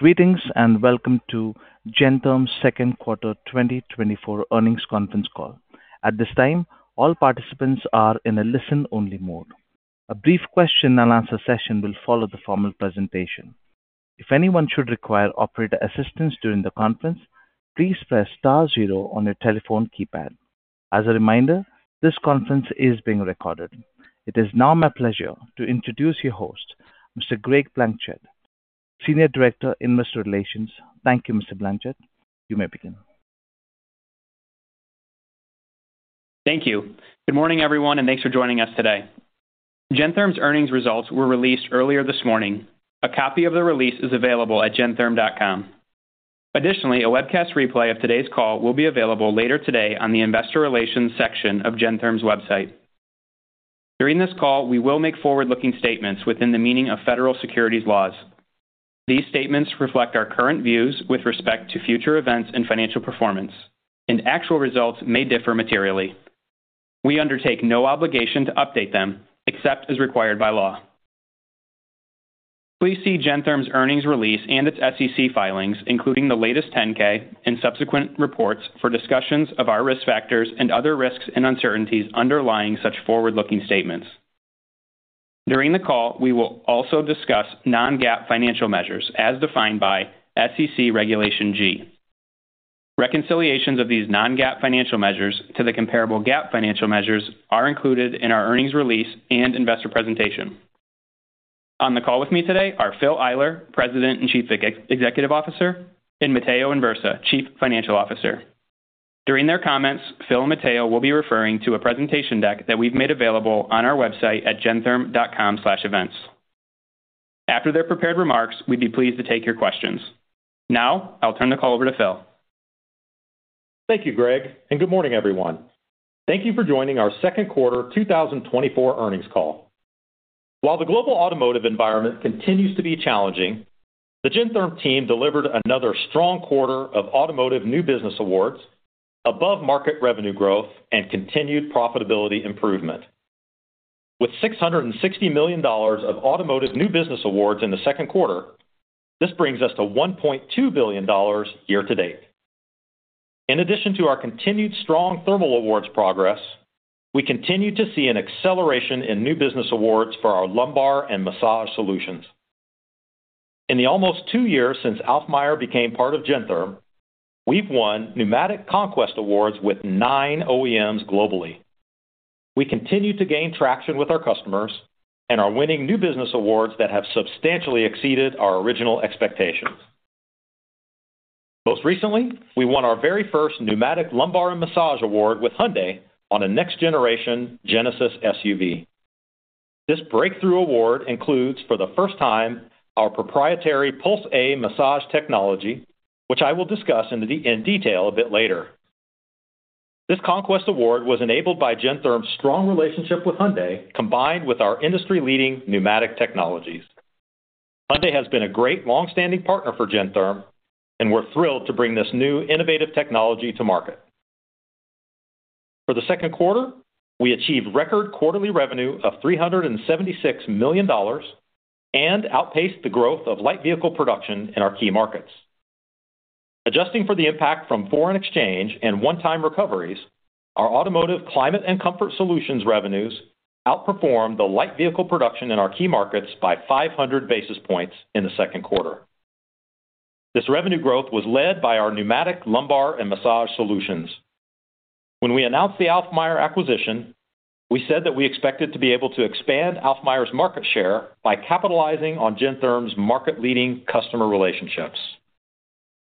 Greetings, and welcome to Gentherm's second quarter 2024 earnings conference call. At this time, all participants are in a listen-only mode. A brief question and answer session will follow the formal presentation. If anyone should require operator assistance during the conference, please press star zero on your telephone keypad. As a reminder, this conference is being recorded. It is now my pleasure to introduce your host, Mr. Greg Blanchette, Senior Director, Investor Relations. Thank you, Mr. Blanchette. You may begin. Thank you. Good morning, everyone, and thanks for joining us today. Gentherm's earnings results were released earlier this morning. A copy of the release is available at gentherm.com. Additionally, a webcast replay of today's call will be available later today on the Investor Relations section of Gentherm's website. During this call, we will make forward-looking statements within the meaning of federal securities laws. These statements reflect our current views with respect to future events and financial performance, and actual results may differ materially. We undertake no obligation to update them except as required by law. Please see Gentherm's earnings release and its SEC filings, including the latest 10-K and subsequent reports, for discussions of our risk factors and other risks and uncertainties underlying such forward-looking statements. During the call, we will also discuss non-GAAP financial measures as defined by SEC Regulation G. Reconciliations of these non-GAAP financial measures to the comparable GAAP financial measures are included in our earnings release and investor presentation. On the call with me today are Phil Eyler, President and Chief Executive Officer, and Matteo Anversa, Chief Financial Officer. During their comments, Phil and Matteo will be referring to a presentation deck that we've made available on our website at gentherm.com/events. After their prepared remarks, we'd be pleased to take your questions. Now, I'll turn the call over to Phil. Thank you, Greg, and good morning, everyone. Thank you for joining our second quarter 2024 earnings call. While the global automotive environment continues to be challenging, the Gentherm team delivered another strong quarter of automotive new business awards, above-market revenue growth, and continued profitability improvement. With $660 million of automotive new business awards in the second quarter, this brings us to $1.2 billion year to date. In addition to our continued strong thermal awards progress, we continue to see an acceleration in new business awards for our lumbar and massage solutions. In the almost two years since Alfmeier became part of Gentherm, we've won pneumatic conquest awards with 9 OEMs globally. We continue to gain traction with our customers and are winning new business awards that have substantially exceeded our original expectations. Most recently, we won our very first pneumatic lumbar and massage award with Hyundai on a next-generation Genesis SUV. This breakthrough award includes, for the first time, our proprietary Puls.A massage technology, which I will discuss in detail a bit later. This conquest award was enabled by Gentherm's strong relationship with Hyundai, combined with our industry-leading pneumatic technologies. Hyundai has been a great long-standing partner for Gentherm, and we're thrilled to bring this new innovative technology to market. For the second quarter, we achieved record quarterly revenue of $376 million and outpaced the growth of light vehicle production in our key markets. Adjusting for the impact from foreign exchange and one-time recoveries, our Automotive Climate and Comfort Solutions revenues outperformed the light vehicle production in our key markets by 500 basis points in the second quarter. This revenue growth was led by our pneumatic lumbar and massage solutions. When we announced the Alfmeier acquisition, we said that we expected to be able to expand Alfmeier's market share by capitalizing on Gentherm's market-leading customer relationships.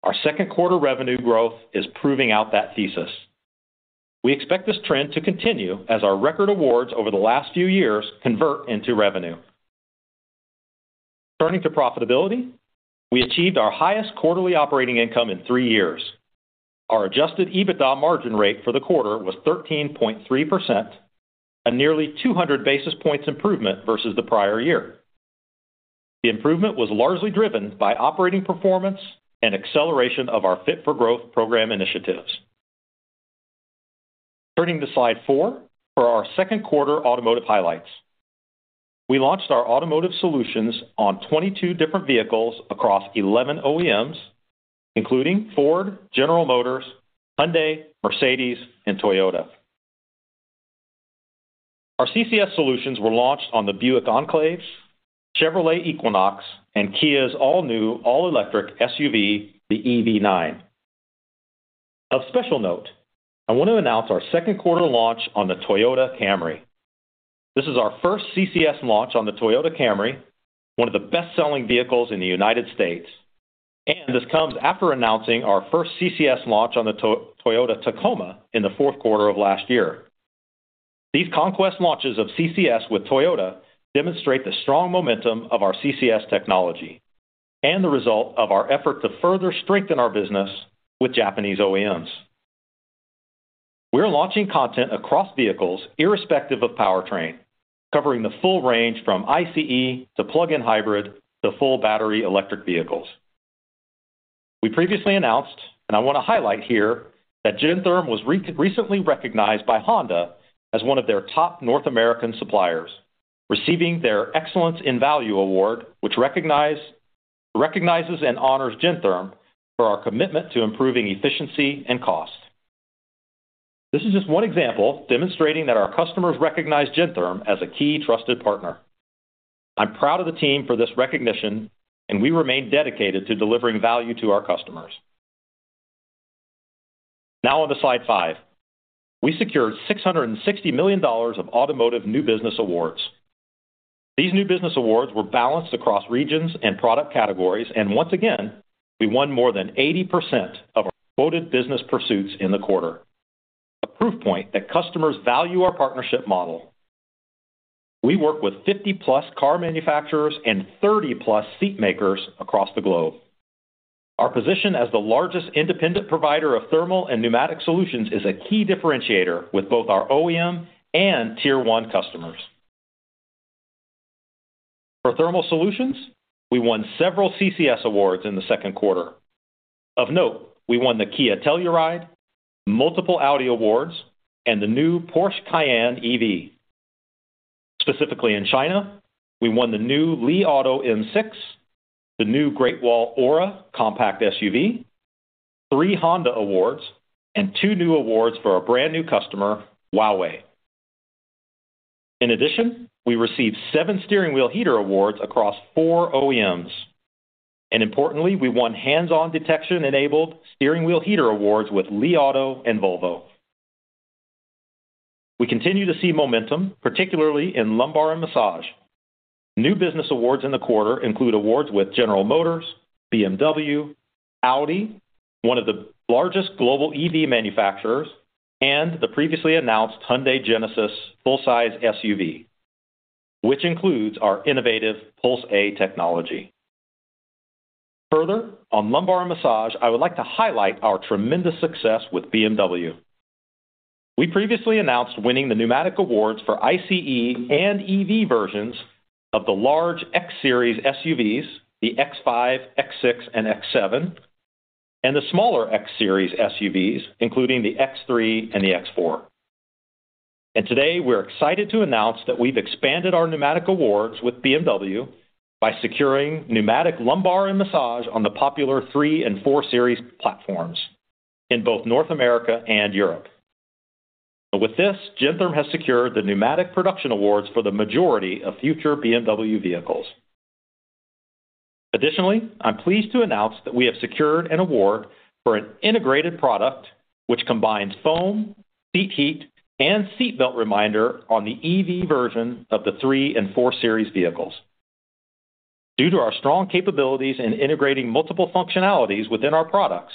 Our second quarter revenue growth is proving out that thesis. We expect this trend to continue as our record awards over the last few years convert into revenue. Turning to profitability, we achieved our highest quarterly operating income in 3 years. Our Adjusted EBITDA margin rate for the quarter was 13.3%, a nearly 200 basis points improvement versus the prior year. The improvement was largely driven by operating performance and acceleration of our Fit for Growth program initiatives. Turning to slide 4 for our second quarter automotive highlights. We launched our automotive solutions on 22 different vehicles across 11 OEMs, including Ford, General Motors, Hyundai, Mercedes, and Toyota. Our CCS solutions were launched on the Buick Enclave, Chevrolet Equinox, and Kia's all-new, all-electric SUV, the EV9. Of special note, I want to announce our second quarter launch on the Toyota Camry. This is our first CCS launch on the Toyota Camry, one of the best-selling vehicles in the United States, and this comes after announcing our first CCS launch on the Toyota Tacoma in the fourth quarter of last year. These conquest launches of CCS with Toyota demonstrate the strong momentum of our CCS technology and the result of our effort to further strengthen our business with Japanese OEMs. We're launching content across vehicles, irrespective of powertrain, covering the full range from ICE to plug-in hybrid to full battery electric vehicles.... We previously announced, and I wanna highlight here, that Gentherm was recently recognized by Honda as one of their top North American suppliers, receiving their Excellence in Value Award, which recognizes and honors Gentherm for our commitment to improving efficiency and cost. This is just one example demonstrating that our customers recognize Gentherm as a key trusted partner. I'm proud of the team for this recognition, and we remain dedicated to delivering value to our customers. Now, on to slide 5. We secured $660 million of automotive new business awards. These new business awards were balanced across regions and product categories, and once again, we won more than 80% of our quoted business pursuits in the quarter. A proof point that customers value our partnership model. We work with 50+ car manufacturers and 30+ seat makers across the globe. Our position as the largest independent provider of thermal and pneumatic solutions is a key differentiator with both our OEM and Tier One customers. For thermal solutions, we won several CCS awards in the second quarter. Of note, we won the Kia Telluride, multiple Audi awards, and the new Porsche Cayenne EV. Specifically in China, we won the new Li Auto L6, the new Great Wall ORA compact SUV, 3 Honda awards, and 2 new awards for our brand-new customer, Huawei. In addition, we received 7 steering wheel heater awards across 4 OEMs, and importantly, we won hands-on detection-enabled steering wheel heater awards with Li Auto and Volvo. We continue to see momentum, particularly in lumbar and massage. New business awards in the quarter include awards with General Motors, BMW, Audi, one of the largest global EV manufacturers, and the previously announced Hyundai Genesis full-size SUV, which includes our innovative Puls.A technology. Further, on lumbar and massage, I would like to highlight our tremendous success with BMW. We previously announced winning the pneumatic awards for ICE and EV versions of the large X Series SUVs, the X5, X6, and X7, and the smaller X Series SUVs, including the X3 and the X4. Today, we're excited to announce that we've expanded our pneumatic awards with BMW by securing pneumatic lumbar and massage on the popular 3 and 4 Series platforms in both North America and Europe. With this, Gentherm has secured the pneumatic production awards for the majority of future BMW vehicles. Additionally, I'm pleased to announce that we have secured an award for an integrated product which combines foam, seat heat, and seat belt reminder on the EV version of the 3 and 4 Series vehicles. Due to our strong capabilities in integrating multiple functionalities within our products,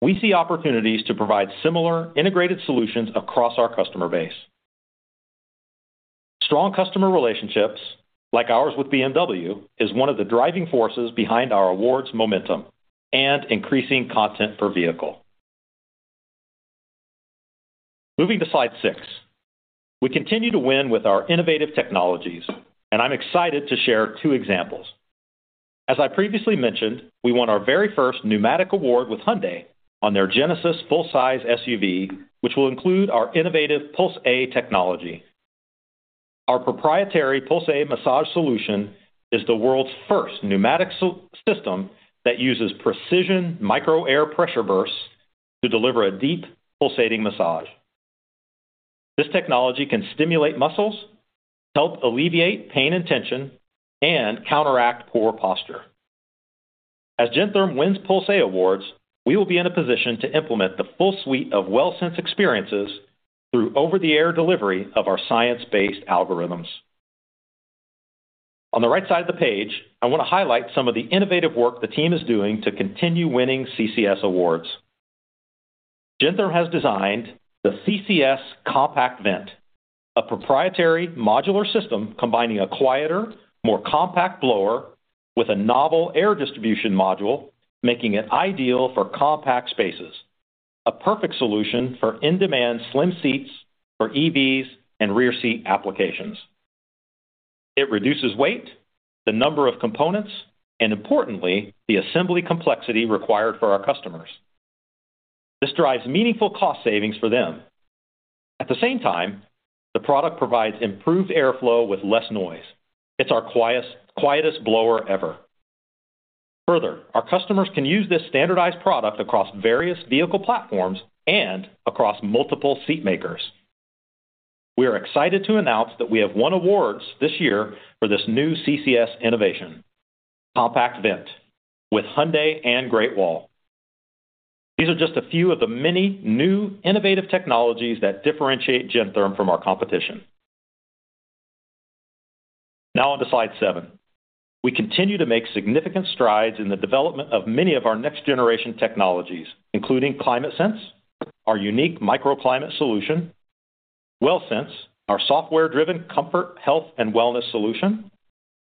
we see opportunities to provide similar integrated solutions across our customer base. Strong customer relationships, like ours with BMW, is one of the driving forces behind our awards momentum and increasing content per vehicle. Moving to slide 6. We continue to win with our innovative technologies, and I'm excited to share two examples. As I previously mentioned, we won our very first pneumatic award with Hyundai on their Genesis full-size SUV, which will include our innovative Puls.A technology. Our proprietary Puls.A massage solution is the world's first pneumatic system that uses precision micro-air pressure bursts to deliver a deep, pulsating massage. This technology can stimulate muscles, help alleviate pain and tension, and counteract poor posture. As Gentherm wins Puls.A awards, we will be in a position to implement the full suite of WellSense experiences through over-the-air delivery of our science-based algorithms. On the right side of the page, I wanna highlight some of the innovative work the team is doing to continue winning CCS awards. Gentherm has designed the CCS CompactVent, a proprietary modular system combining a quieter, more compact blower with a novel air distribution module, making it ideal for compact spaces, a perfect solution for in-demand slim seats for EVs and rear seat applications. It reduces weight, the number of components, and importantly, the assembly complexity required for our customers. This drives meaningful cost savings for them. At the same time, the product provides improved airflow with less noise. It's our quietest blower ever. Further, our customers can use this standardized product across various vehicle platforms and across multiple seat makers. We are excited to announce that we have won awards this year for this new CCS innovation, CompactVent, with Hyundai and Great Wall. These are just a few of the many new innovative technologies that differentiate Gentherm from our competition. Now, on to slide seven. We continue to make significant strides in the development of many of our next-generation technologies, including ClimateSense, our unique microclimate solution, WellSense, our software-driven comfort, health, and wellness solution,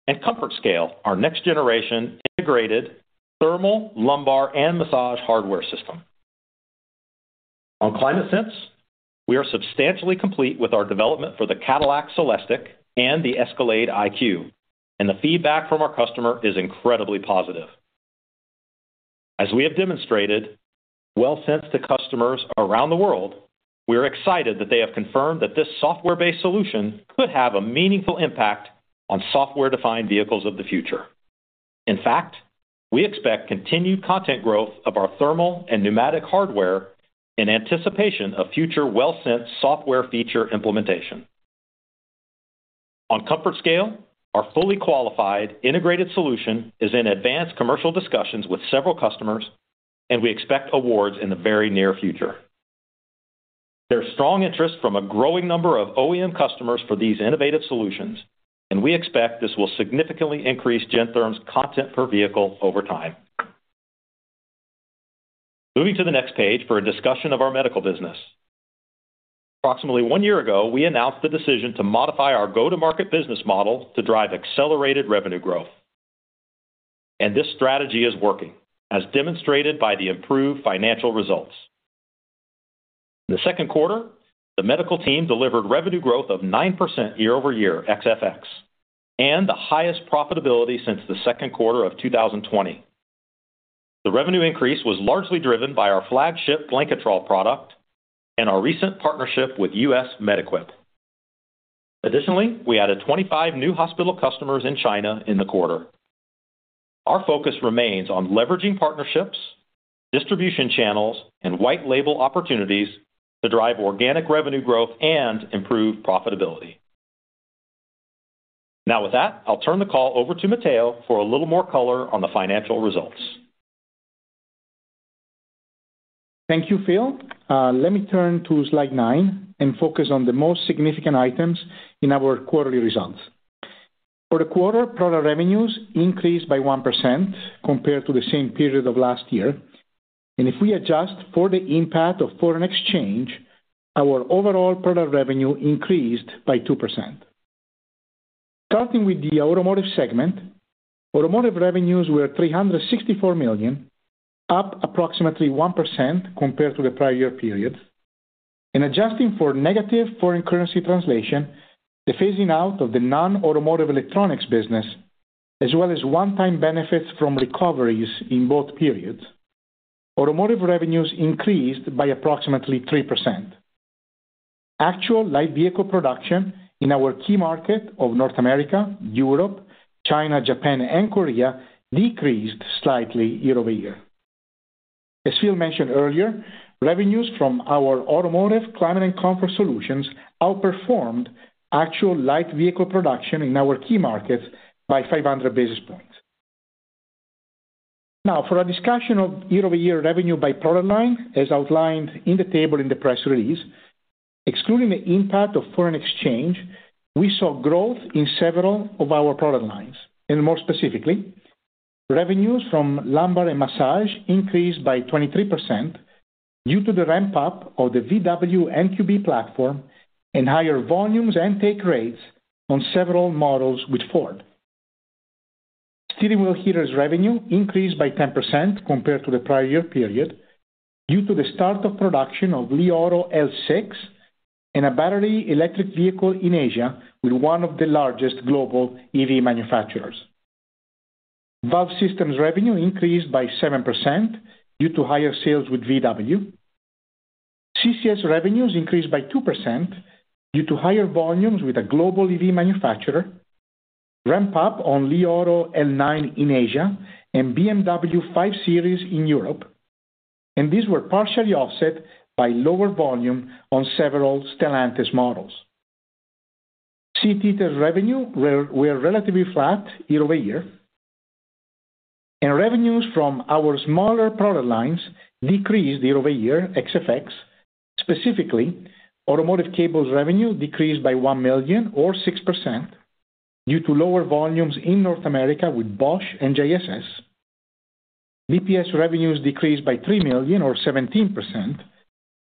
and ComfortScale, our next-generation integrated thermal, lumbar, and massage hardware system. On ClimateSense, we are substantially complete with our development for the Cadillac Celestiq and the Escalade IQ, and the feedback from our customer is incredibly positive. As we have demonstrated WellSense to customers around the world, we are excited that they have confirmed that this software-based solution could have a meaningful impact on software-defined vehicles of the future. In fact, we expect continued content growth of our thermal and pneumatic hardware in anticipation of future WellSense software feature implementation. On ComfortScale, our fully qualified integrated solution is in advanced commercial discussions with several customers, and we expect awards in the very near future. There's strong interest from a growing number of OEM customers for these innovative solutions, and we expect this will significantly increase Gentherm's content per vehicle over time. Moving to the next page for a discussion of our medical business. Approximately one year ago, we announced the decision to modify our go-to-market business model to drive accelerated revenue growth. This strategy is working, as demonstrated by the improved financial results. In the second quarter, the medical team delivered revenue growth of 9% year-over-year, ex-FX, and the highest profitability since the second quarter of 2020. The revenue increase was largely driven by our flagship Blanketrol product and our recent partnership with US Med-Equip. Additionally, we added 25 new hospital customers in China in the quarter. Our focus remains on leveraging partnerships, distribution channels, and white label opportunities to drive organic revenue growth and improve profitability. Now, with that, I'll turn the call over to Matteo for a little more color on the financial results. Thank you, Phil. Let me turn to slide 9 and focus on the most significant items in our quarterly results. For the quarter, product revenues increased by 1% compared to the same period of last year, and if we adjust for the impact of foreign exchange, our overall product revenue increased by 2%. Starting with the automotive segment, automotive revenues were $364 million, up approximately 1% compared to the prior year period. And adjusting for negative foreign currency translation, the phasing out of the non-automotive electronics business, as well as one-time benefits from recoveries in both periods, automotive revenues increased by approximately 3%. Actual light vehicle production in our key market of North America, Europe, China, Japan, and Korea decreased slightly year-over-year. As Phil mentioned earlier, revenues from our Automotive Climate and Comfort Solutions outperformed actual light vehicle production in our key markets by 500 basis points. Now, for a discussion of year-over-year revenue by product line, as outlined in the table in the press release, excluding the impact of foreign exchange, we saw growth in several of our product lines, and more specifically, revenues from lumbar and massage increased by 23% due to the ramp-up of the VW MQB platform and higher volumes and take rates on several models with Ford. Steering wheel heaters revenue increased by 10% compared to the prior year period, due to the start of production of Li Auto L6 and a battery electric vehicle in Asia, with one of the largest global EV manufacturers. Valve systems revenue increased by 7% due to higher sales with VW. CCS revenues increased by 2% due to higher volumes with a global EV manufacturer, ramp up on Li Auto L9 in Asia, and BMW 5 Series in Europe, and these were partially offset by lower volume on several Stellantis models. Seat heaters revenue were relatively flat year-over-year, and revenues from our smaller product lines decreased year-over-year ex FX. Specifically, automotive cables revenue decreased by $1 million or 6% due to lower volumes in North America with Bosch and JSS. BPS revenues decreased by $3 million or 17%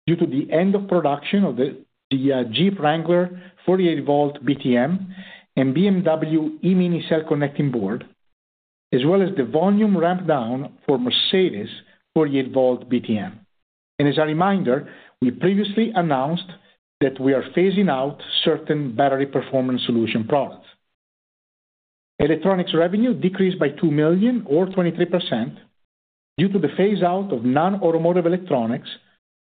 due to the end of production of the Jeep Wrangler 48-volt BTM and BMW e-MINI cell connecting board, as well as the volume ramp down for Mercedes 48-volt BTM. And as a reminder, we previously announced that we are phasing out certain battery performance solution products. Electronics revenue decreased by $2 million or 23% due to the phase out of non-automotive electronics,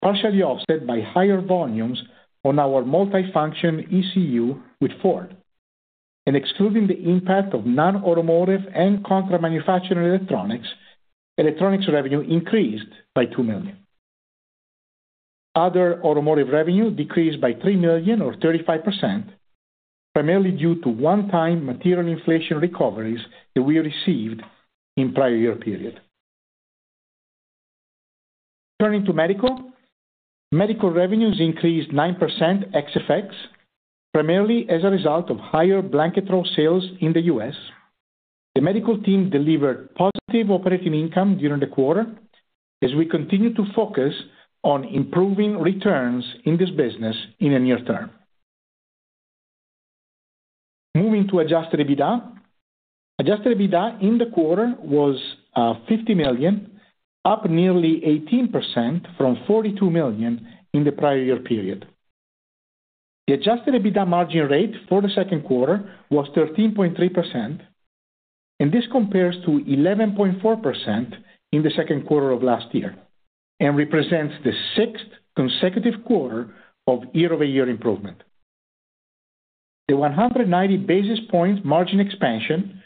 partially offset by higher volumes on our multi-function ECU with Ford. Excluding the impact of non-automotive and contract manufacturing electronics, electronics revenue increased by $2 million. Other automotive revenue decreased by $3 million or 35%, primarily due to one-time material inflation recoveries that we received in prior year period. Turning to medical. Medical revenues increased 9% ex-FX, primarily as a result of higher Blanketrol sales in the U.S. The medical team delivered positive operating income during the quarter as we continue to focus on improving returns in this business in the near term. Moving to adjusted EBITDA. Adjusted EBITDA in the quarter was $50 million, up nearly 18% from $42 million in the prior year period. The Adjusted EBITDA margin rate for the second quarter was 13.3%, and this compares to 11.4% in the second quarter of last year, and represents the sixth consecutive quarter of year-over-year improvement. The 190 basis points margin expansion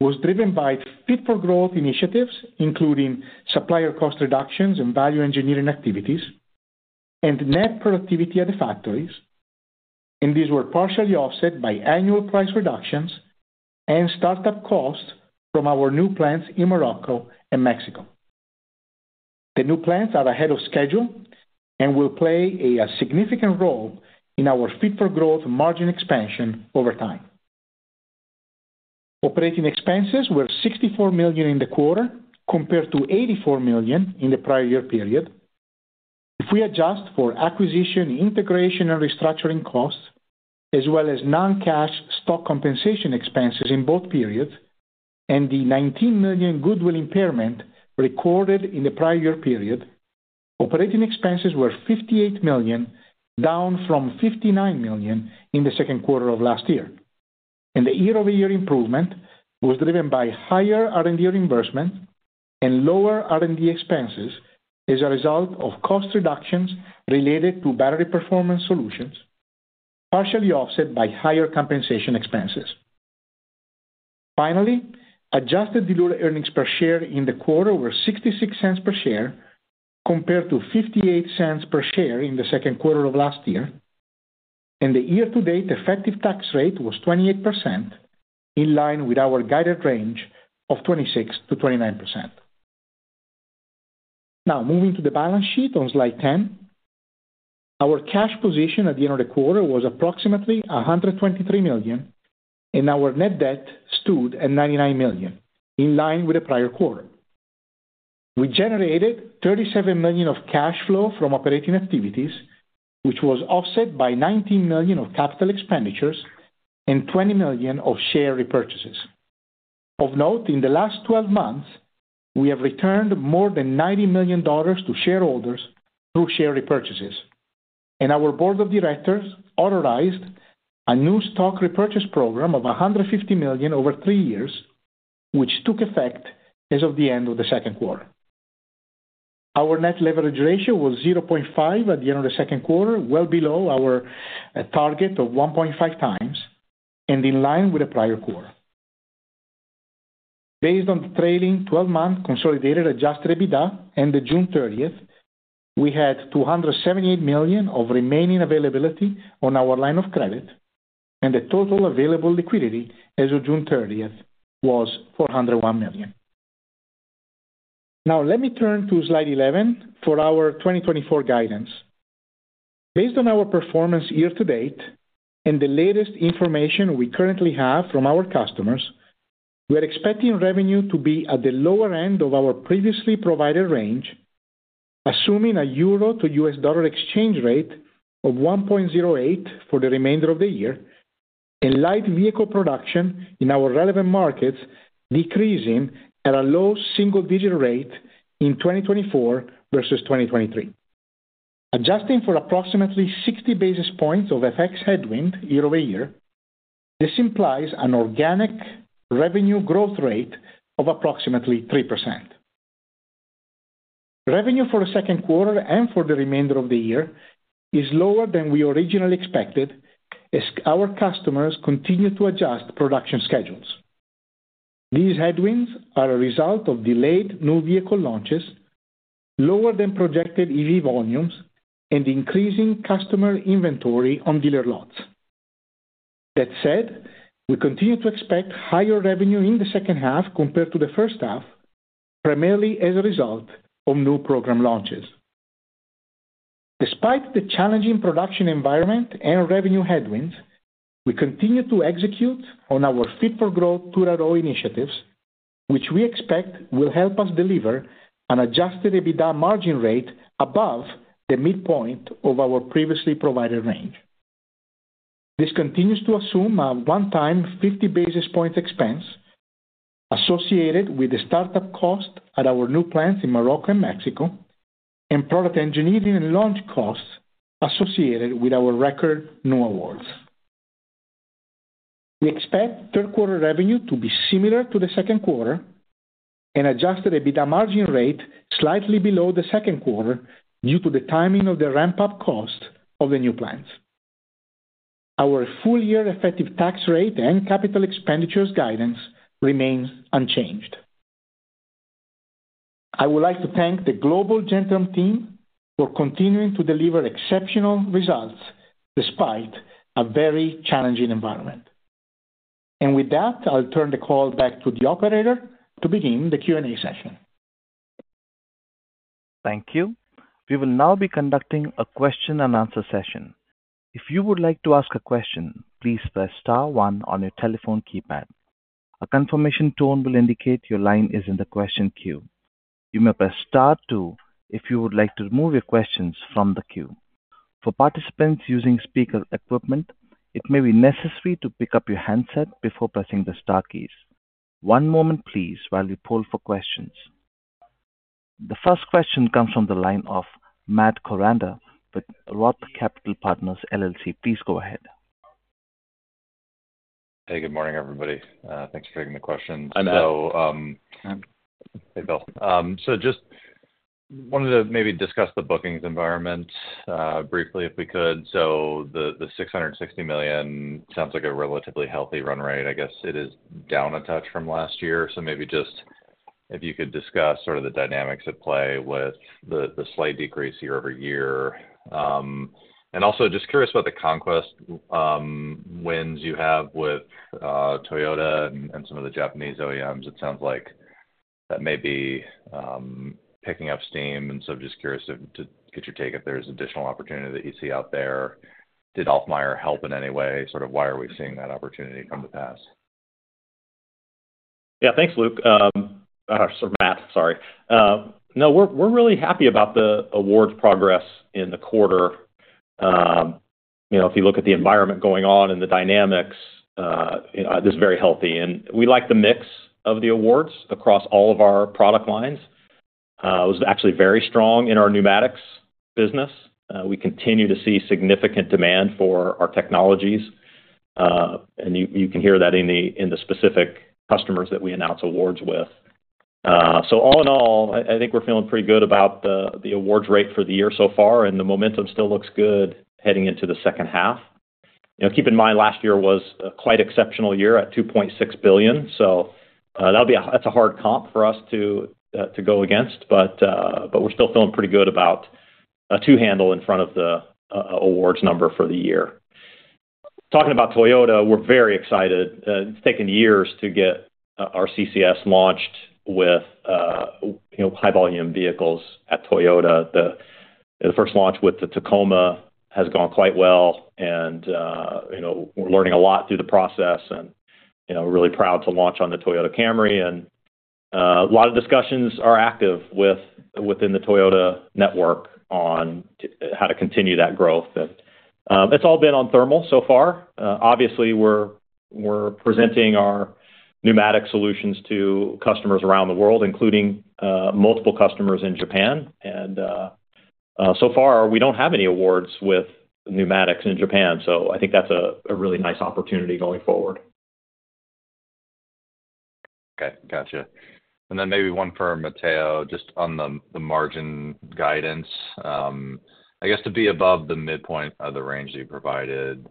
was driven by Fit for Growth initiatives, including supplier cost reductions and value engineering activities, and net productivity at the factories, and these were partially offset by annual price reductions and start-up costs from our new plants in Morocco and Mexico. The new plants are ahead of schedule and will play a significant role in our Fit for Growth margin expansion over time. Operating expenses were $64 million in the quarter, compared to $84 million in the prior year period. If we adjust for acquisition, integration, and restructuring costs, as well as non-cash stock compensation expenses in both periods, and the $19 million goodwill impairment recorded in the prior year period, operating expenses were $58 million, down from $59 million in the second quarter of last year. The year-over-year improvement was driven by higher R&D reimbursement and lower R&D expenses as a result of cost reductions related to Battery Performance Solutions, partially offset by higher compensation expenses. Finally, adjusted diluted earnings per share in the quarter were $0.66 per share, compared to $0.58 per share in the second quarter of last year, and the year-to-date effective tax rate was 28%, in line with our guided range of 26%-29%. Now, moving to the balance sheet on slide 10. Our cash position at the end of the quarter was approximately $123 million, and our net debt stood at $99 million, in line with the prior quarter. We generated $37 million of cash flow from operating activities, which was offset by $19 million of capital expenditures and $20 million of share repurchases. Of note, in the last 12 months, we have returned more than $90 million to shareholders through share repurchases, and our board of directors authorized a new stock repurchase program of $150 million over three years, which took effect as of the end of the second quarter. Our net leverage ratio was 0.5 at the end of the second quarter, well below our target of 1.5 times, and in line with the prior quarter. Based on the trailing 12-month consolidated adjusted EBITDA and the June 30, we had $278 million of remaining availability on our line of credit, and the total available liquidity as of June 30 was $401 million. Now let me turn to slide 11 for our 2024 guidance. Based on our performance year-to-date and the latest information we currently have from our customers, we are expecting revenue to be at the lower end of our previously provided range, assuming a euro to U.S. dollar exchange rate of 1.08 for the remainder of the year, and light vehicle production in our relevant markets decreasing at a low single-digit rate in 2024 versus 2023. Adjusting for approximately 60 basis points of FX headwind year-over-year, this implies an organic revenue growth rate of approximately 3%. Revenue for the second quarter and for the remainder of the year is lower than we originally expected as our customers continue to adjust production schedules. These headwinds are a result of delayed new vehicle launches, lower than projected EV volumes, and increasing customer inventory on dealer lots. That said, we continue to expect higher revenue in the second half compared to the first half, primarily as a result of new program launches. Despite the challenging production environment and revenue headwinds, we continue to execute on our Fit for Growth 2.0 initiatives, which we expect will help us deliver an Adjusted EBITDA margin rate above the midpoint of our previously provided range. This continues to assume a one-time 50 basis point expense associated with the start-up cost at our new plants in Morocco and Mexico, and product engineering and launch costs associated with our record new awards. We expect third quarter revenue to be similar to the second quarter and Adjusted EBITDA margin rate slightly below the second quarter, due to the timing of the ramp-up cost of the new plants. Our full-year effective tax rate and capital expenditures guidance remains unchanged. I would like to thank the global Gentherm team for continuing to deliver exceptional results despite a very challenging environment. With that, I'll turn the call back to the operator to begin the Q&A session. Thank you. We will now be conducting a question-and-answer session. If you would like to ask a question, please press star one on your telephone keypad.... A confirmation tone will indicate your line is in the question queue. You may press star two if you would like to remove your questions from the queue. For participants using speaker equipment, it may be necessary to pick up your handset before pressing the star keys. One moment please while we poll for questions. The first question comes from the line of Matt Koranda, with Roth Capital Partners, LLC. Please go ahead. Hey, good morning, everybody. Thanks for taking the question. Hi, Matt. So, hey, Phil. So just wanted to maybe discuss the bookings environment briefly, if we could. So the $660 million sounds like a relatively healthy run rate. I guess it is down a touch from last year. So maybe just if you could discuss sort of the dynamics at play with the slight decrease year-over-year. And also just curious about the conquest wins you have with Toyota and some of the Japanese OEMs. It sounds like that may be picking up steam, and so just curious to get your take if there's additional opportunity that you see out there. Did Alfmeier help in any way? Sort of why are we seeing that opportunity come to pass? Yeah, thanks, Luke. Matt, sorry. No, we're really happy about the award progress in the quarter. You know, if you look at the environment going on and the dynamics, you know, this is very healthy, and we like the mix of the awards across all of our product lines. It was actually very strong in our pneumatics business. We continue to see significant demand for our technologies, and you can hear that in the specific customers that we announce awards with. So all in all, I think we're feeling pretty good about the awards rate for the year so far, and the momentum still looks good heading into the second half. You know, keep in mind, last year was a quite exceptional year at $2.6 billion, so, that'll be a-- that's a hard comp for us to go against. But, but we're still feeling pretty good about a 2 handle in front of the orders number for the year. Talking about Toyota, we're very excited. It's taken years to get our CCS launched with, you know, high-volume vehicles at Toyota. The first launch with the Tacoma has gone quite well, and, you know, we're learning a lot through the process, and, you know, we're really proud to launch on the Toyota Camry. And, a lot of discussions are active within the Toyota network on how to continue that growth. And, it's all been on thermal so far. Obviously, we're presenting our pneumatic solutions to customers around the world, including multiple customers in Japan. And so far, we don't have any awards with pneumatics in Japan, so I think that's a really nice opportunity going forward. Okay, gotcha. And then maybe one for Matteo, just on the margin guidance. I guess to be above the midpoint of the range that you provided,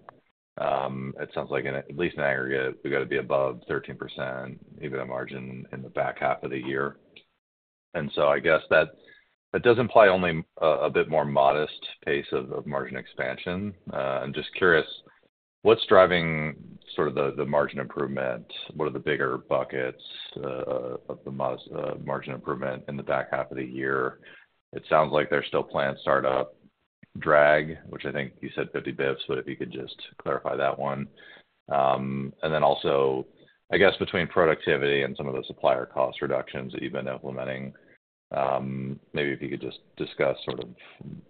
it sounds like at least in aggregate, we've got to be above 13%, EBITDA margin in the back half of the year. And so I guess that does imply only a bit more modest pace of margin expansion. I'm just curious, what's driving sort of the margin improvement? What are the bigger buckets of the margin improvement in the back half of the year? It sounds like there's still planned startup drag, which I think you said 50 basis points, but if you could just clarify that one. And then also, I guess between productivity and some of the supplier cost reductions that you've been implementing, maybe if you could just discuss sort of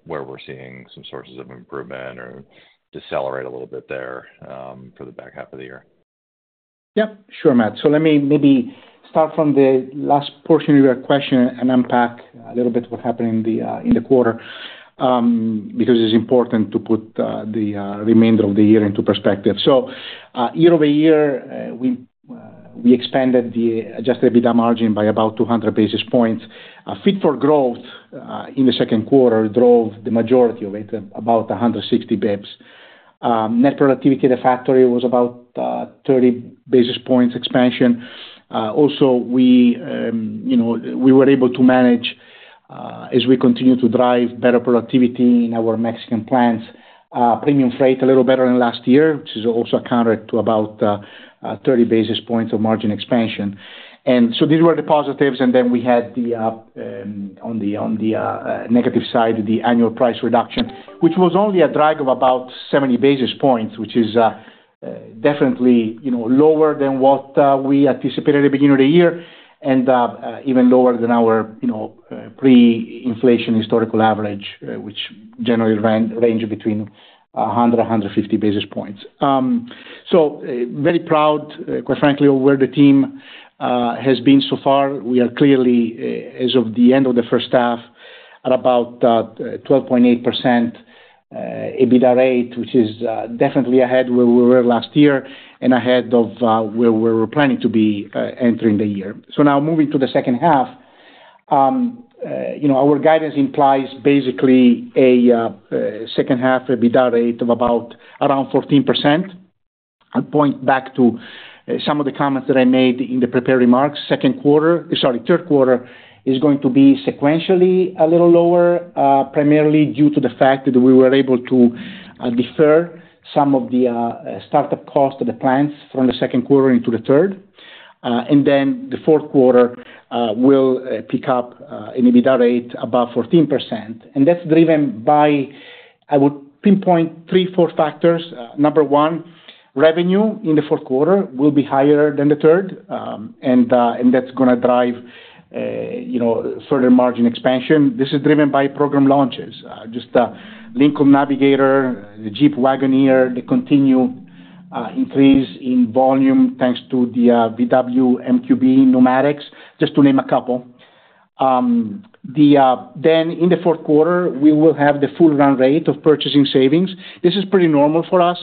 where we're seeing some sources of improvement or decelerate a little bit there, for the back half of the year. Yep, sure, Matt. So let me maybe start from the last portion of your question and unpack a little bit what happened in the quarter, because it's important to put the remainder of the year into perspective. So, year-over-year, we expanded the Adjusted EBITDA margin by about 200 basis points. Fit for Growth in the second quarter drove the majority of it, about 160 basis points. Net productivity at the factory was about 30 basis points expansion. Also, you know, we were able to manage, as we continue to drive better productivity in our Mexican plants, premium freight a little better than last year, which is also accounted to about 30 basis points of margin expansion. And so these were the positives, and then we had the on the negative side, the annual price reduction, which was only a drag of about 70 basis points, which is definitely, you know, lower than what we anticipated at the beginning of the year and even lower than our, you know, pre-inflation historical average, which generally ranged between 100 basis points and 150 basis points. So, very proud, quite frankly, of where the team has been so far. We are clearly, as of the end of the first half, at about 12.8% EBITDA rate, which is definitely ahead where we were last year and ahead of where we were planning to be entering the year. So now moving to the second half, you know, our guidance implies basically a second half EBITDA rate of about around 14%. I'll point back to some of the comments that I made in the prepared remarks. Second quarter, sorry, third quarter is going to be sequentially a little lower, primarily due to the fact that we were able to defer some of the startup costs of the plants from the second quarter into the third. And then the fourth quarter will pick up an EBITDA rate about 14%, and that's driven by. I would pinpoint three, four factors. Number one, revenue in the fourth quarter will be higher than the third. And that's gonna drive you know, further margin expansion. This is driven by program launches, just the Lincoln Navigator, the Jeep Wagoneer, the continued increase in volume, thanks to the VW MQB pneumatics, just to name a couple. Then in the fourth quarter, we will have the full run rate of purchasing savings. This is pretty normal for us.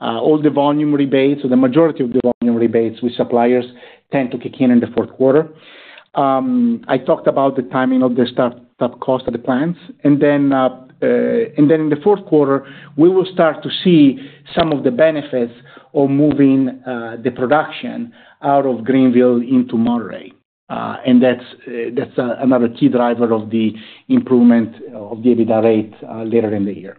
All the volume rebates or the majority of the volume rebates with suppliers tend to kick in in the fourth quarter. I talked about the timing of the start-up cost of the plants, and then in the fourth quarter, we will start to see some of the benefits of moving the production out of Greenville into Monterrey. And that's another key driver of the improvement of the EBITDA rate later in the year.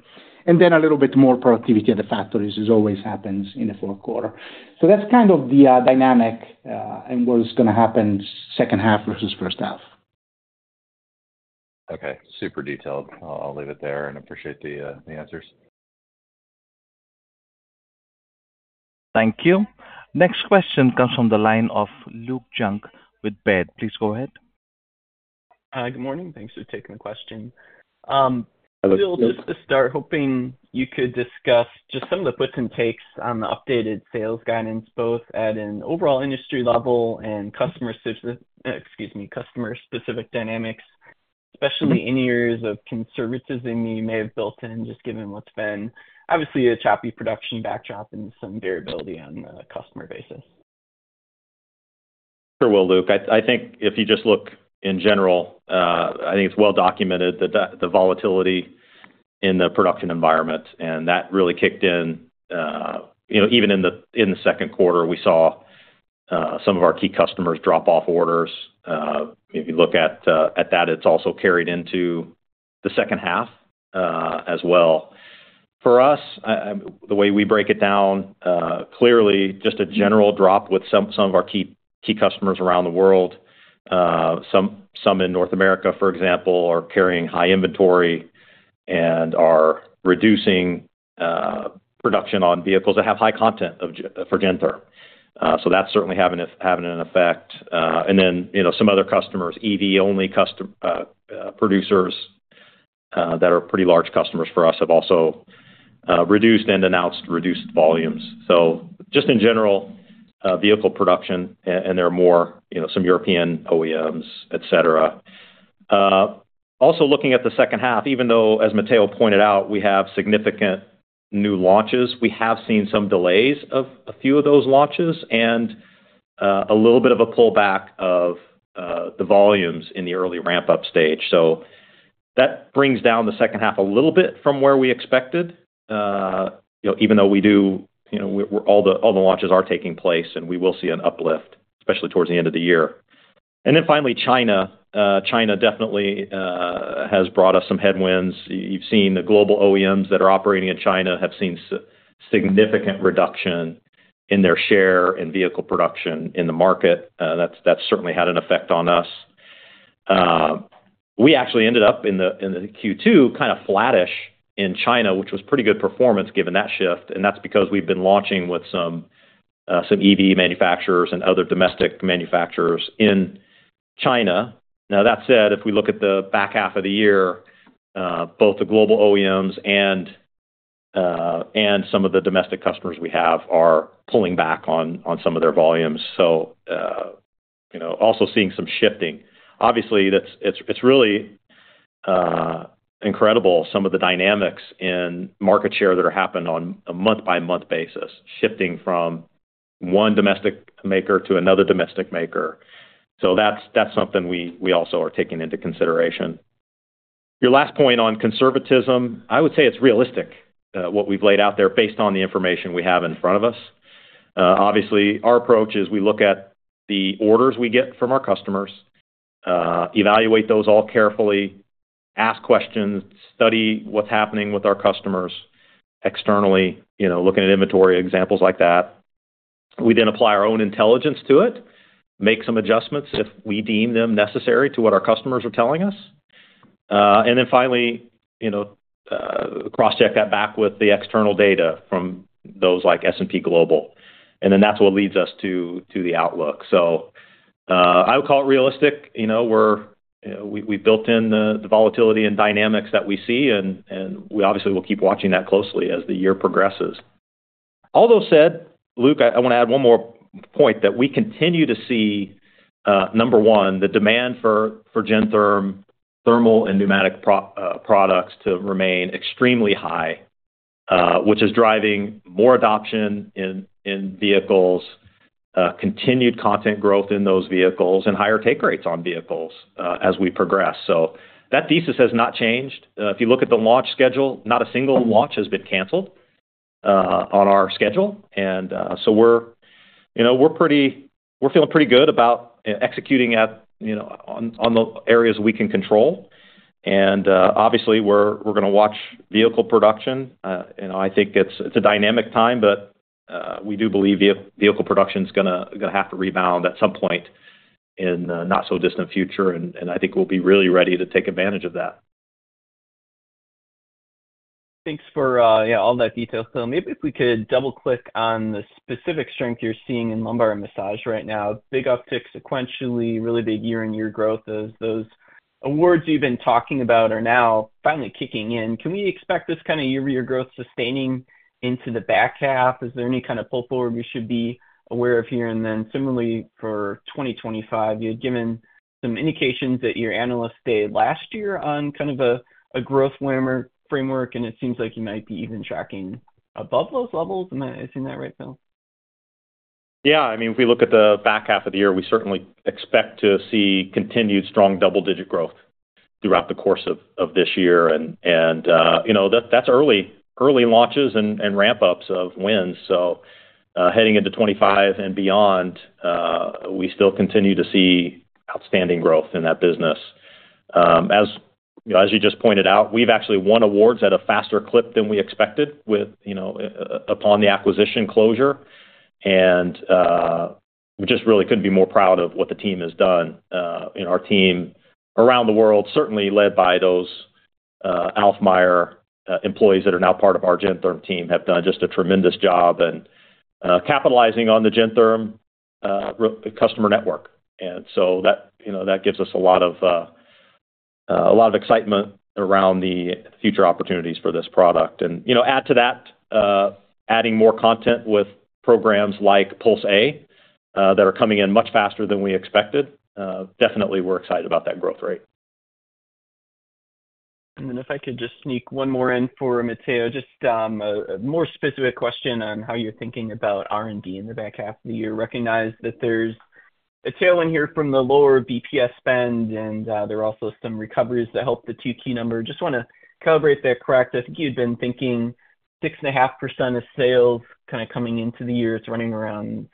Then a little bit more productivity at the factories, as always happens in the fourth quarter. That's kind of the dynamic, and what is gonna happen second half versus first half. Okay, super detailed. I'll leave it there and appreciate the answers. Thank you. Next question comes from the line of Luke Junk with Baird. Please go ahead. Good morning. Thanks for taking the question. Phil, just to start, hoping you could discuss just some of the puts and takes on the updated sales guidance, both at an overall industry level and customer-specific dynamics, especially any areas of conservatism you may have built in, just given what's been obviously a choppy production backdrop and some variability on a customer basis. Sure will, Luke. I think if you just look in general, I think it's well documented that the volatility in the production environment, and that really kicked in, you know, even in the second quarter, we saw some of our key customers drop off orders. If you look at that, it's also carried into the second half, as well. For us, the way we break it down, clearly just a general drop with some of our key customers around the world. Some in North America, for example, are carrying high inventory and are reducing production on vehicles that have high content for Gentherm. So that's certainly having an effect. And then, you know, some other customers, EV-only producers that are pretty large customers for us, have also reduced and announced reduced volumes. So just in general, vehicle production and there are more, you know, some European OEMs, et cetera. Also looking at the second half, even though, as Matteo pointed out, we have significant new launches, we have seen some delays of a few of those launches and a little bit of a pullback of the volumes in the early ramp-up stage. So that brings down the second half a little bit from where we expected. You know, even though we do, you know, all the launches are taking place, and we will see an uplift, especially towards the end of the year. And then finally, China. China definitely has brought us some headwinds. You've seen the global OEMs that are operating in China have seen significant reduction in their share in vehicle production in the market. That's certainly had an effect on us. We actually ended up in the Q2, kind of flattish in China, which was pretty good performance given that shift, and that's because we've been launching with some EV manufacturers and other domestic manufacturers in China. Now, that said, if we look at the back half of the year, both the global OEMs and some of the domestic customers we have are pulling back on some of their volumes. So, you know, also seeing some shifting. Obviously, that's... It's really incredible some of the dynamics in market share that are happening on a month-by-month basis, shifting from one domestic maker to another domestic maker. So that's something we also are taking into consideration. Your last point on conservatism, I would say it's realistic what we've laid out there based on the information we have in front of us. Obviously, our approach is we look at the orders we get from our customers, evaluate those all carefully, ask questions, study what's happening with our customers externally, you know, looking at inventory, examples like that. We then apply our own intelligence to it, make some adjustments if we deem them necessary to what our customers are telling us. And then finally, you know, cross-check that back with the external data from those like S&P Global, and then that's what leads us to the outlook. So, I would call it realistic. You know, we built in the volatility and dynamics that we see, and we obviously will keep watching that closely as the year progresses. All those said, Luke, I wanna add one more point that we continue to see, number one, the demand for Gentherm thermal and pneumatic products to remain extremely high, which is driving more adoption in vehicles, continued content growth in those vehicles, and higher take rates on vehicles, as we progress. So that thesis has not changed. If you look at the launch schedule, not a single launch has been canceled, on our schedule. So we're, you know, feeling pretty good about executing on the areas we can control. Obviously, we're gonna watch vehicle production. You know, I think it's a dynamic time, but we do believe vehicle production is gonna have to rebound at some point in the not so distant future, and I think we'll be really ready to take advantage of that. Thanks for yeah, all that detail. So maybe if we could double-click on the specific strength you're seeing in lumbar and massage right now. Big uptick sequentially, really big year-over-year growth. Those, those awards you've been talking about are now finally kicking in. Can we expect this kind of year-over-year growth sustaining into the back half? Is there any kind of pull forward we should be aware of here? And then similarly, for 2025, you had given some indications that your analysts stayed last year on kind of a, a growth linear framework, and it seems like you might be even tracking above those levels. Am I seeing that right, Phil? Yeah. I mean, if we look at the back half of the year, we certainly expect to see continued strong double-digit growth throughout the course of this year. And you know, that's early launches and ramp-ups of wins. So heading into 2025 and beyond, we still continue to see outstanding growth in that business. As you just pointed out, we've actually won awards at a faster clip than we expected with, you know, upon the acquisition closure. And we just really couldn't be more proud of what the team has done. And our team around the world, certainly led by those Alfmeier employees that are now part of our Gentherm team, have done just a tremendous job and capitalizing on the Gentherm customer network. So that, you know, that gives us a lot of, a lot of excitement around the future opportunities for this product. You know, add to that, adding more content with programs like Puls.A, that are coming in much faster than we expected, definitely we're excited about that growth rate. And then if I could just sneak one more in for Matteo. Just a more specific question on how you're thinking about R&D in the back half of the year. Recognize that there's a tailwind here from the lower BPS spend, and there are also some recoveries that help the 2Q number. Just wanna calibrate that correct. I think you'd been thinking 6.5% of sales kind of coming into the year. It's running around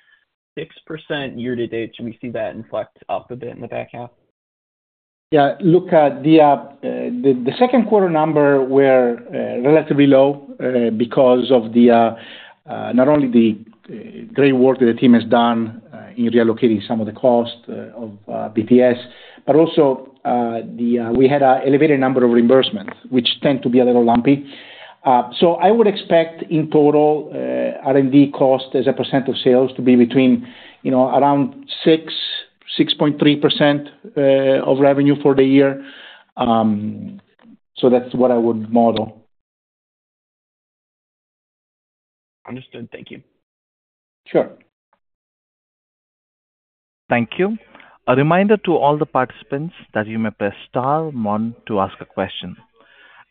6% year to date. Should we see that inflect up a bit in the back half? Yeah, look at the second quarter number were relatively low because of not only the great work that the team has done in reallocating some of the cost of BPS, but also we had an elevated number of reimbursements, which tend to be a little lumpy. So I would expect, in total, R&D cost as a percent of sales to be between, you know, around 6%, 6.3% of revenue for the year. So that's what I would model. Understood. Thank you. Sure. Thank you. A reminder to all the participants that you may press star one to ask a question.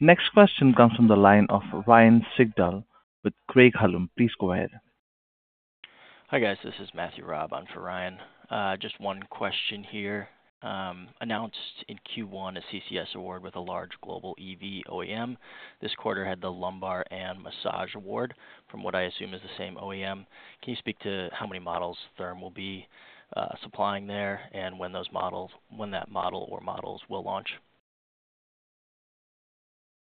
Next question comes from the line of Ryan Sigdahl with Craig-Hallum. Please go ahead. Hi, guys. This is Matthew Raab on for Ryan. Just one question here. Announced in Q1, a CCS award with a large global EV OEM. This quarter had the lumbar and massage award from what I assume is the same OEM. Can you speak to how many models Gentherm will be supplying there, and when those models - when that model or models will launch?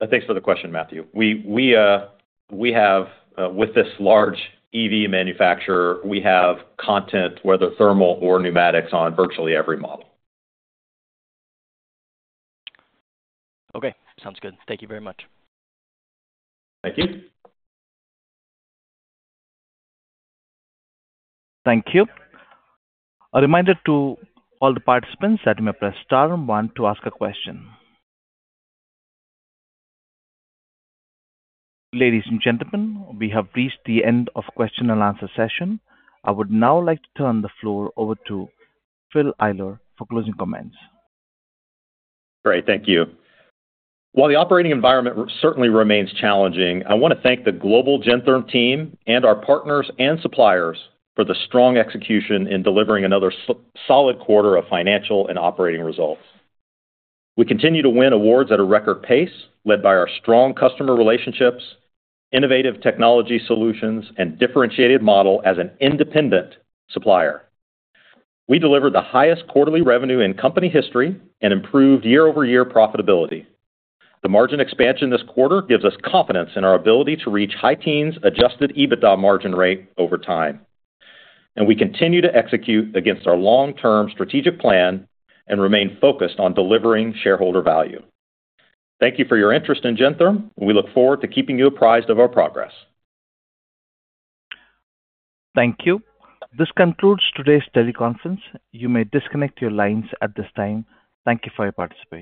Thanks for the question, Matthew. We have with this large EV manufacturer, we have content, whether thermal or pneumatics, on virtually every model. Okay, sounds good. Thank you very much. Thank you. Thank you. A reminder to all the participants that you may press star one to ask a question. Ladies and gentlemen, we have reached the end of question and answer session. I would now like to turn the floor over to Phil Eyler for closing comments. Great, thank you. While the operating environment certainly remains challenging, I wanna thank the global Gentherm team and our partners and suppliers for the strong execution in delivering another solid quarter of financial and operating results. We continue to win awards at a record pace, led by our strong customer relationships, innovative technology solutions, and differentiated model as an independent supplier. We delivered the highest quarterly revenue in company history and improved year-over-year profitability. The margin expansion this quarter gives us confidence in our ability to reach high-teens adjusted EBITDA margin rate over time. We continue to execute against our long-term strategic plan and remain focused on delivering shareholder value. Thank you for your interest in Gentherm, and we look forward to keeping you apprised of our progress. Thank you. This concludes today's teleconference. You may disconnect your lines at this time. Thank you for your participation.